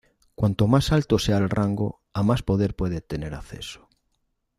Cuanto más alto sea el rango, a más poder puede tener acceso.